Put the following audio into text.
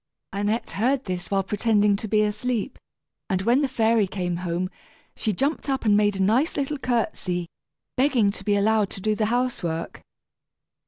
Annette heard this while pretending to be asleep, and when the fairy came home, she jumped up and made a nice little courtesy, begging to be allowed to do the housework.